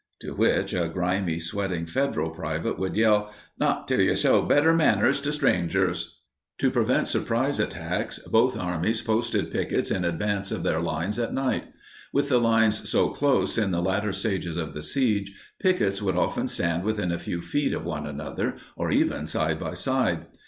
To which a grimy, sweating Federal private would yell, "Not till you show better manners to strangers." [Illustration: A Civil War drummer boy. From a wartime sketch.] To prevent surprise attacks, both armies posted pickets in advance of their lines at night. With the lines so close in the latter stages of the siege, pickets would often stand within a few feet of one another, or even side by side.